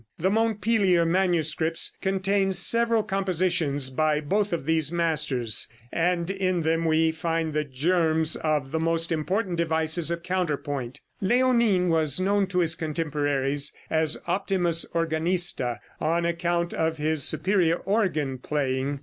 The Montpelier manuscript contains several compositions by both these masters, and in them we find the germs of the most important devices of counterpoint. Léonin was known to his contemporaries as "Optimus Organista," on account of his superior organ playing.